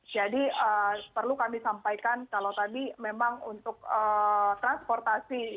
jadi perlu kami sampaikan kalau tadi memang untuk transportasi